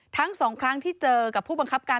ทั้งสองครั้งที่เจอกับผู้บังคับการ